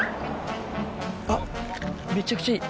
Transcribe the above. あっめちゃくちゃいい。